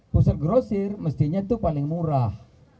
pusat grosir mestinya itu paling murah